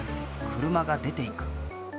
車が出ていく。